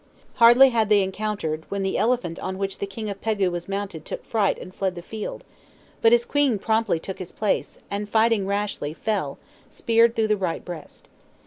Hardly had they encountered, when the elephant on which the king of Pegu was mounted took fright and fled the field; but his queen promptly took his place, and fighting rashly, fell, speared through the right breast.